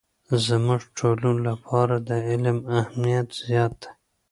زموږ ټولو لپاره د علم اهمیت زیات دی.